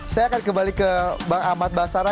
saya akan kembali ke bang ahmad basara